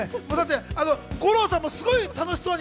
五郎さんもすごい楽しそうで。